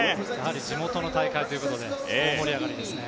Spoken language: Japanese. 地元の大会ということで大盛り上がりですね。